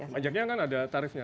pajaknya kan ada tarifnya